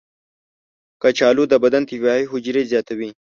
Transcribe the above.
کچالو د بدن دفاعي حجرې زیاتوي.